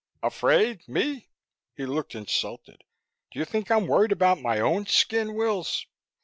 "Afraid? Me?" He looked insulted. "Do you think I'm worried about my own skin, Wills?